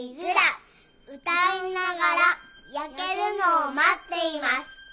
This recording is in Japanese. うたいながらやけるのをまっています。